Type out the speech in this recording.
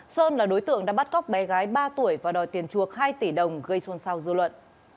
sơn là đối tượng đã bắt cóc bé gái ba tuổi và đòi tiền chuộc hai tỷ đồng gây xuân sao dư luận